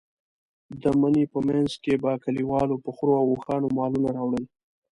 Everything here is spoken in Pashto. د مني په منځ کې به کلیوالو په خرو او اوښانو مالونه راوړل.